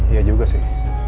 iya juga sih